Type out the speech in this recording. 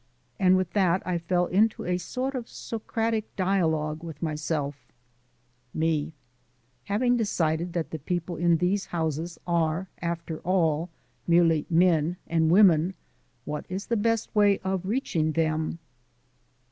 And with that I fell into a sort of Socratic dialogue with myself: ME: Having decided that the people in these houses are, after all, merely men and women, what is the best way of reaching them?